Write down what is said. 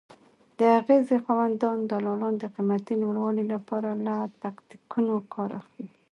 د اغېزې خاوند دلالان د قیمت لوړوالي لپاره له تاکتیکونو کار اخلي.